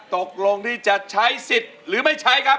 ตกลงที่จะใช้สิทธิ์หรือไม่ใช้ครับ